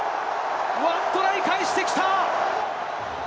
ワントライ返してきた。